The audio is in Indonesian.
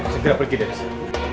segera pergi dari sini